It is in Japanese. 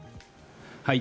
はい。